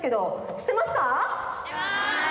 しってます！